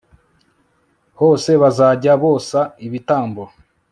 hose bazajya bosa ibitambo